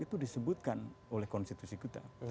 itu disebutkan oleh konstitusi kita